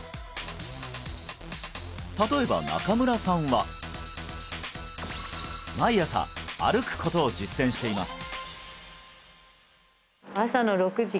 例えば中村さんは毎朝歩くことを実践しています